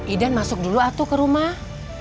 idan masuk dulu atau ke rumah